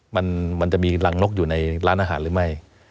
มันมันจะมีรังนกอยู่ในร้านอาหารหรือไม่